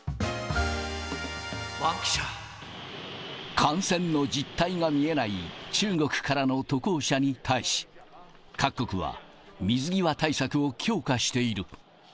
感染の実態が見えない、中国からの渡航者に対し、各国は水際対策を強化している。